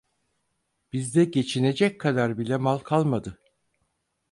Bizde geçinecek kadar bile mal kalmadı…